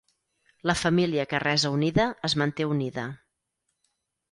La família que resa unida, es manté unida.